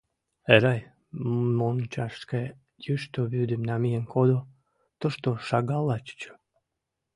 Эрай, мончашке йӱштӧ вӱдым намиен кодо, тушто шагалла чучо.